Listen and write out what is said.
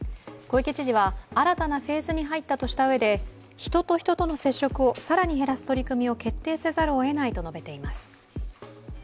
小池知事は、新たなフェーズに入ったとしたうえで、人と人との接触を更に減らす取り組みを決定せざるをえないと述べています。